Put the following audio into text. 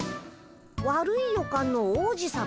悪い予感の王子さま？